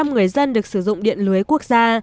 một trăm linh người dân được sử dụng điện lưới quốc gia